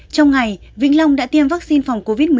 trong ngày vĩnh long đã tiêm vaccine phòng covid một mươi chín